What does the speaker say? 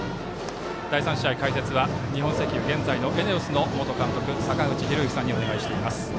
第３試合、解説は日本石油現在のＥＮＥＯＳの元監督坂口裕之さんにお願いしております。